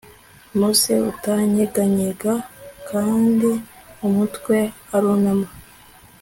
Muse utanyeganyega kandi umutwe arunama